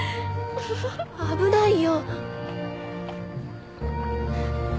危ないよ。